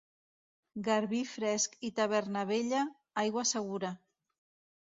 Garbí fresc i taverna vella, aigua segura.